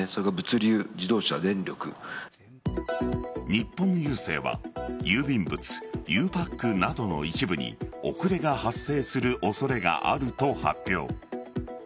日本郵政は郵便物、ゆうパックなどの一部に遅れが発生する恐れがあると発表。